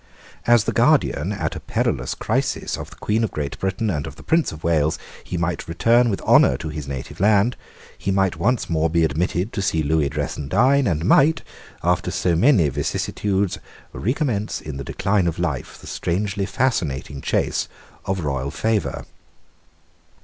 As the guardian, at a perilous crisis, of the Queen of Great Britain and of the Prince of Wales, he might return with honour to his native land; he might once more be admitted to see Lewis dress and dine, and might, after so many vicissitudes, recommence, in the decline of life, the strangely fascinating chase of royal favour.